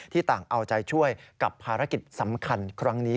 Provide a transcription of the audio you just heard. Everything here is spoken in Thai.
ต่างเอาใจช่วยกับภารกิจสำคัญครั้งนี้